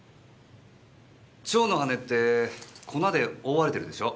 蝶の羽って粉で覆われてるでしょ？